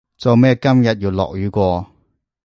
做咩今日要落雨喎